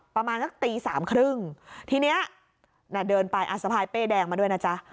ประมาณสักตีสามครึ่งทีเนี้ยเดินไปอ่ะสะพายเป้แดงมาด้วยนะจ๊ะ